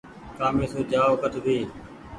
ڪآمي سون جآئو ڪٺ ڀي۔